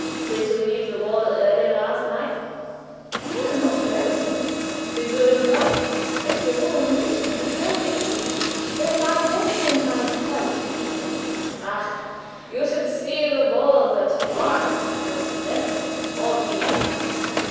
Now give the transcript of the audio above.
Did you leave the ball early last night?" "No; not very early." "Did you enjoy it?" "It was all new to me very interesting but I don't think I quite enjoyed it." "Ah, you should see the balls at Florence, or Venice, or Vienna!"